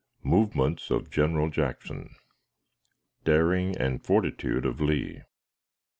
Movements of General Jackson. Daring and Fortitude of Lee.